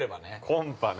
◆コンパね。